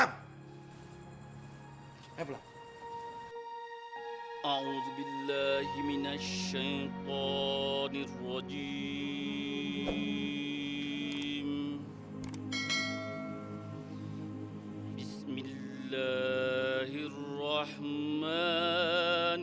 kepada hasan ahmad kami persilakan